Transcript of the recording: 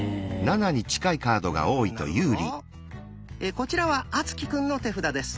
こちらは敦貴くんの手札です。